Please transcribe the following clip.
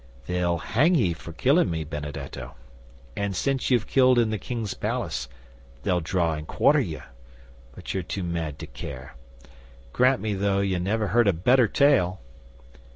"They'll hang ye for killing me, Benedetto. And, since you've killed in the King's Palace, they'll draw and quarter you; but you're too mad to care. Grant me, though, ye never heard a better tale."